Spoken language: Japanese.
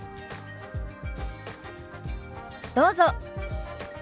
どうぞ。